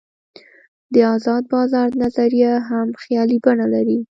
د آزاد بازار نظریه هم خیالي بڼه لري.